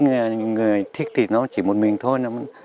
những người thích thì nó chỉ một mình thôi